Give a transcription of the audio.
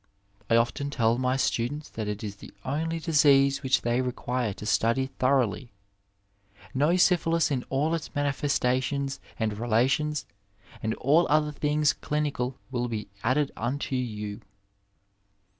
I often tell my students that it is the only disease which they require to study thorouj^y. Enow syphilis in aU its manifestations and relations, and all other things clinical will be added unto you.